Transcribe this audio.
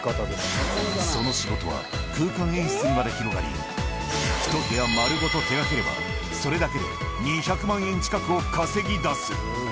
その仕事は、空間演出にまで広がり、１部屋丸ごと手がければ、それだけで２００万円近くを稼ぎ出す。